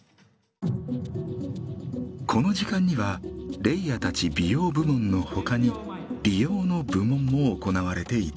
この時間にはレイヤたち美容部門のほかに理容の部門も行われていた。